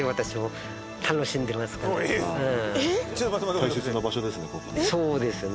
大切な場所ですね。